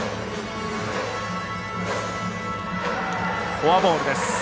フォアボールです。